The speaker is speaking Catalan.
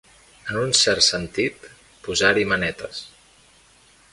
En un cert sentit, posar-hi manetes.